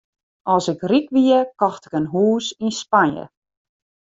As ik ryk wie, kocht ik in hûs yn Spanje.